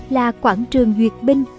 là quảng trường việt binh